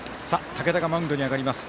竹田がマウンドに上がります。